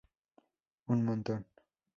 Un montón.